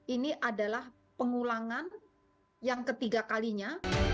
ini adalah pengulangan yang ketiga kalinya